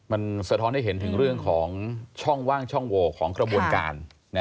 มันสะท้อนให้เห็นถึงเรื่องของช่องว่างช่องโหวของกระบวนการ